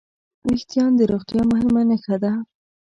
وېښتيان د روغتیا مهمه نښه ده.